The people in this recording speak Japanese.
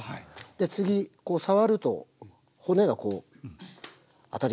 で次触ると骨がこう当たります。